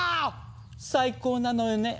最高なのよね。